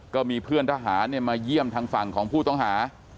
ก็มีเพื่อนทหารมาเยี่ยมทางฝั่งของผู้ต้องหา